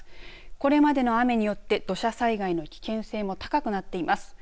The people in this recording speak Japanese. これまでの雨によって土砂災害の危険性も高くなっています。